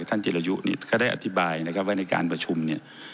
จิรยุเนี่ยก็ได้อธิบายนะครับว่าในการประชุมเนี่ย